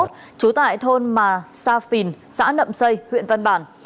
trú tại thôn mà sa phìn xã nậm xây huyện văn bản